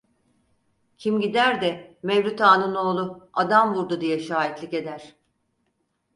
Kim gider de Mevlüt Ağa'nın oğlu adam vurdu diye şahitlik eder?